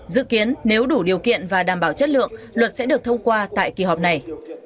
dự kiến nếu đủ điều kiện và đảm bảo chất lượng luật sẽ được thông qua tại kỳ họp này